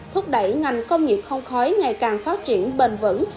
thúc đẩy ngành công nghiệp không khói ngày càng phát triển bền vững